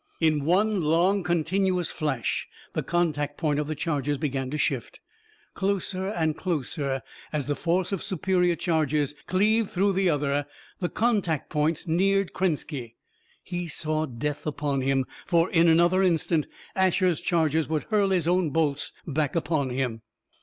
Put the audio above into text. In one long, continuous flash, the contact point of the charges began to shift. Closer and closer, as the force of superior charges cleaved through the other, the contact points neared Krenski. He saw death upon him, for in another instant, Asher's charges would hurl his own bolts back upon him.